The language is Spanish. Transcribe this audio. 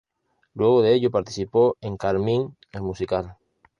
Luego de ello participó en "Carmín, el musical".